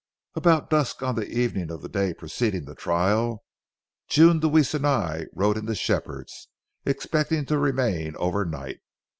About dusk on the evening of the day preceding the trial, June Deweese and I rode into Shepherd's, expecting to remain overnight.